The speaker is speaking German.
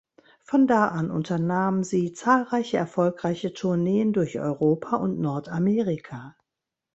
Von da an unternahm sie zahlreiche erfolgreiche Tourneen durch Europa und Nordamerika.